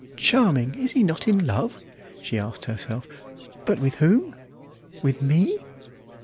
charming! Is he not in love?" she asked herself; "but with whom? With me?"